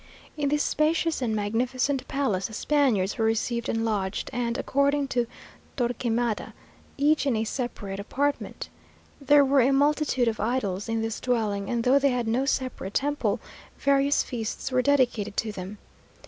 In this spacious and magnificent palace the Spaniards were received and lodged, and, according to Torquemada, each in a separate apartment. There were a multitude of idols in this dwelling, and though they had no separate temple, various feasts were dedicated to them.